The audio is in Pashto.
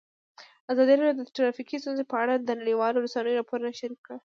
ازادي راډیو د ټرافیکي ستونزې په اړه د نړیوالو رسنیو راپورونه شریک کړي.